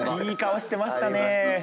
いい顔してましたね。